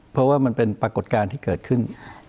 เพราะว่ามันเป็นปรากฏการณ์ที่เกิดขึ้น